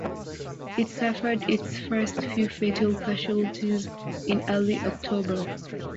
It suffered its first few fatal casualties in early October.